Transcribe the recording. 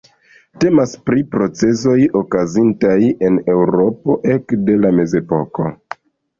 Temas pri procezoj okazintaj en Eŭropo ekde la mezepoko.